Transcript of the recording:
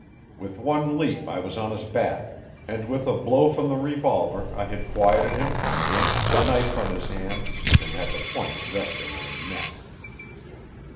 With one leap I was on his back, and with a blow from the revolver I had quieted him, wrenched the knife from his hand, and had the point resting on his neck.